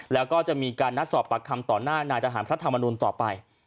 แล้วก็จะมีการนัดสอบปากคำต่อหน้านายทหารพระธรรมนุนต่อไป